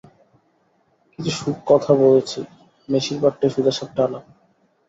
কিছু কথা বলেছি, বেশিরভাগটাই সোজাসাপটা আলাপ।